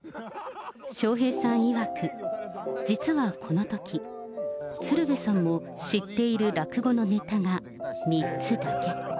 笑瓶さんいわく、実はこのとき、鶴瓶さんも知っている落語のねたが３つだけ。